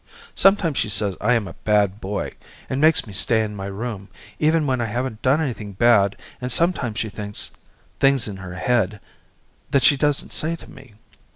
Sometimes she says I am a bad boy and makes me stay in my room even when I haven't done anything bad and sometimes she thinks things in her head that she doesn't say to me.